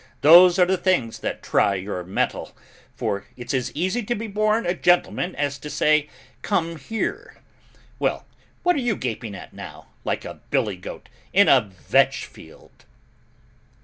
Those are the things that try your mettle, for it's as easy to be born a gentleman as to say, 'Come here.' Well, what are you gaping at now, like a billy goat in a vetch field?"